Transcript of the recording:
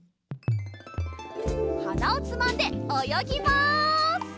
はなをつまんでおよぎます。